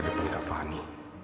depan kak fanny